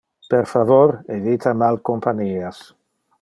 Per favor, evita mal companias.